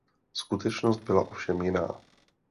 Skutečnost byla ovšem jiná.